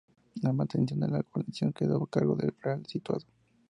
La mantención de la guarnición quedó a cargo del Real Situado.